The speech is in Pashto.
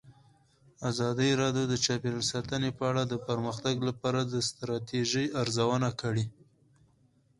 ازادي راډیو د چاپیریال ساتنه په اړه د پرمختګ لپاره د ستراتیژۍ ارزونه کړې.